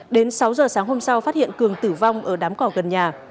đến sáu giờ sáng hôm sau phát hiện cường tử vong ở đám cỏ gần nhà